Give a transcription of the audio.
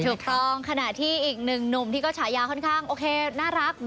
ขณะที่อีกหนึ่งหนุ่มที่ก็ฉายาค่อนข้างโอเคน่ารัก